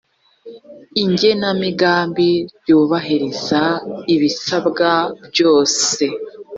igenamigambi ryubahiriza ibisabwa byose